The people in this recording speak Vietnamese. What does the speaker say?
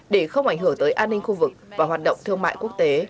để không ảnh hưởng tới an ninh khu vực và hoạt động thương mại quốc tế